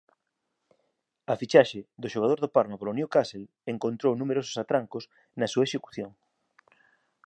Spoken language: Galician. A fichaxe do xogador do Parma polo Newcastle encontrou numerosos atrancos na súa execución.